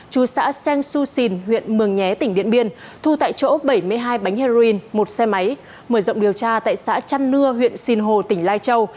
trù xã seng su xìn huyện mường nhé tỉnh điện biên thu tại chỗ bảy mươi hai bánh heroin một xe máy mở rộng điều tra tại xã chăn nưa huyện xìn hồ tỉnh lai châu